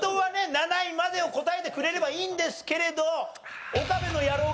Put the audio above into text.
７位までを答えてくれればいいんですけれど。